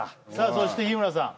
そして日村さん